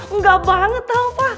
enggak banget tau pa